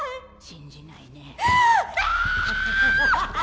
信じないね